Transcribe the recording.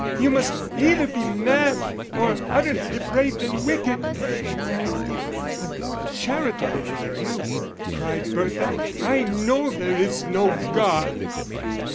You must either be mad, or utterly depraved and wicked." "No, I'm more charitable than you," cried Bertha. "I know there is no God."